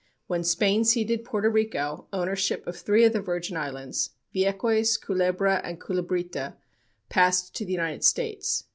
When Spain ceded Porto Rico, ownership of three of the Virgin Islands Vieques, Culebra, and Culebrita passed to the United States.